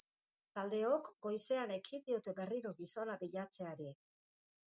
Taldeok goizean ekin diote berriro gizona bilatzeari.